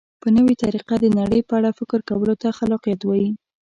په نوې طریقه د نړۍ په اړه فکر کولو ته خلاقیت وایي.